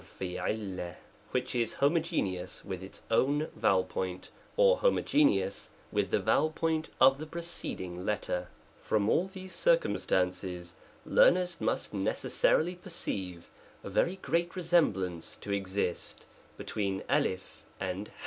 3^ which is *+ homogeneous with its own vowel point or homoge neous with the vowel point of the preceding letter. FROM all these circumstances, learners must necessarily perceive a very great resemblance to ex ist between Utt\ and ^A